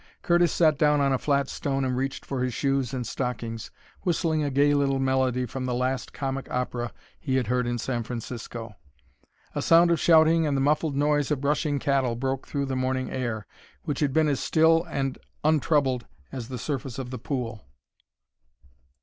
Curtis sat down on a flat stone and reached for his shoes and stockings, whistling a gay little melody from the last comic opera he had heard in San Francisco. A sound of shouting and the muffled noise of rushing cattle broke through the morning air, which had been as still and untroubled as the surface of the pool.